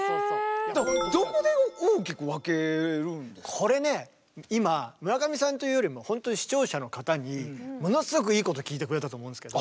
これね今村上さんというよりも本当に視聴者の方にものすごくいいこと聞いてくれたと思うんですけど。